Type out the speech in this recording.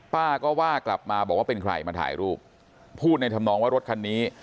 ป้าก็ว่ากลับมาบอกว่าเป็นใครมาถ่ายรูปพูดในธรรมนองว่ารถคันนี้